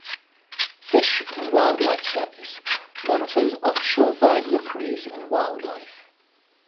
Fish and Wildlife Service monitors offshore bird rookeries and wildlife.